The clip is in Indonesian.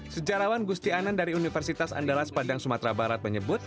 sejarawan gusti anan dari universitas andalas padang sumatera barat menyebut